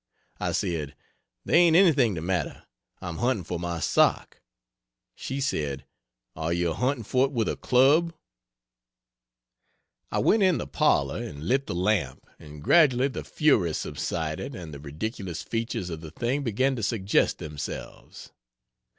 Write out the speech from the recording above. I said "There ain't anything the matter I'm hunting for my sock." She said, "Are you hunting for it with a club?" I went in the parlor and lit the lamp, and gradually the fury subsided and the ridiculous features of the thing began to suggest themselves.